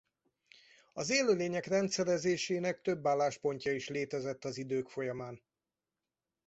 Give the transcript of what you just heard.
Az élőlények rendszerezésének több álláspontja is létezett az idők folyamán.